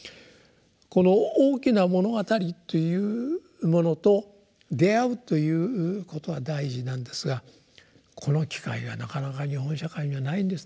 この「大きな物語」っていうものとであうということは大事なんですがこの機会がなかなか日本社会にはないんですね。